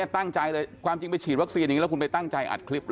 ตั้งใจเลยความจริงไปฉีดวัคซีนอย่างนี้แล้วคุณไปตั้งใจอัดคลิปเห